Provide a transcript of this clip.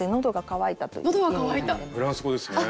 フランス語ですね。